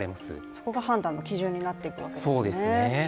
そこが判断の基準になっていくわけですね。